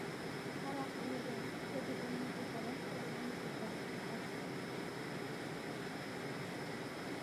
খুড়া কহিলেন, যদি অনুমতি করেন তবে মেয়েটিকে আপনার কাছে রাখিয়া এখন বিদায় হই।